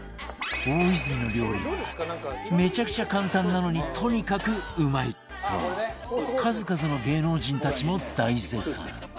大泉の料理はめちゃくちゃ簡単なのにとにかくうまいと数々の芸能人たちも大絶賛！